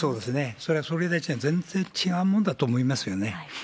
それは総理大臣は全然違うものだと思いますよね。